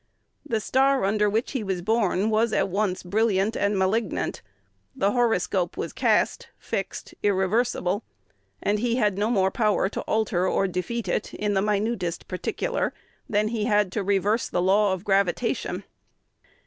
The star under which he was born was at once brilliant and malignant: the horoscope was cast, fixed, irreversible; and he had no more power to alter or defeat it in the minutest particular than he had to reverse the law of gravitation.